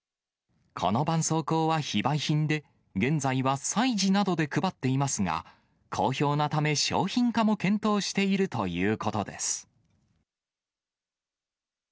このばんそうこうは非売品で、現在は催事などで配っていますが、好評なため商品化も検討しているということです。